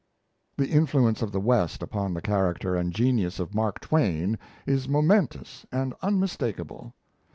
The influence of the West upon the character and genius of Mark Twain is momentous and unmistakable.